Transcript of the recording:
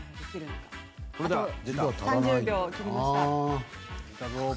３０秒切りました。